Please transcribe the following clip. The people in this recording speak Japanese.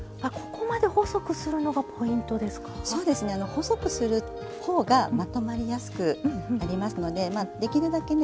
細くする方がまとまりやすくなりますのでできるだけね